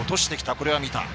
これは見た。